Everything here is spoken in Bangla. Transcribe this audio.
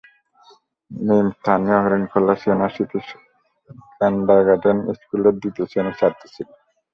মীম স্থানীয় হরিণখোলা সেনা স্মৃতি কিন্ডারগার্টেন স্কুলের দ্বিতীয় শ্রেণির ছাত্রী ছিল।